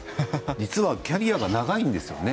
キャリアが長いんですよね。